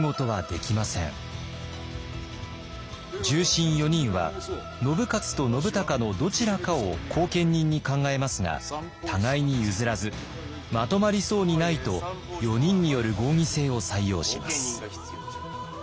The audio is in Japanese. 重臣４人は信雄と信孝のどちらかを後見人に考えますが互いに譲らずまとまりそうにないと４人による合議制を採用します。